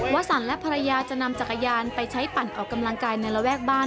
สันและภรรยาจะนำจักรยานไปใช้ปั่นออกกำลังกายในระแวกบ้าน